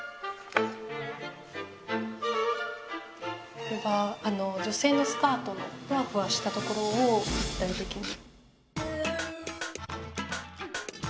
これが女性のスカートのふわふわしたところを立体てきに。